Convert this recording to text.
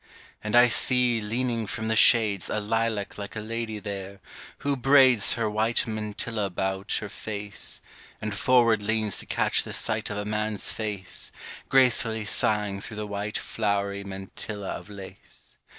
And I see leaning from the shades A lilac like a lady there, who braids Her white mantilla about Her face, and forward leans to catch the sight Of a man's face, Gracefully sighing through the white Flowery mantilla of lace.